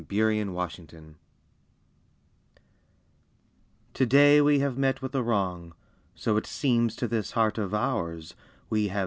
TODAY AND TOMORROW Today we have met with a wrong, So it seems to this heart of ours, We have